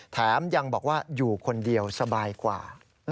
แถมยังบอกว่าอยู่คนเดียวสบายกว่า